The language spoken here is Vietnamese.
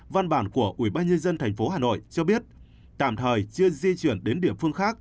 văn bản của ubnd tp hà nội cho biết tạm thời chưa di chuyển đến địa phương khác